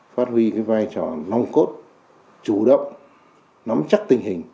phát huy vai trò nòng cốt chủ động nắm chắc tình hình